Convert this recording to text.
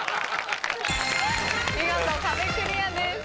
見事壁クリアです。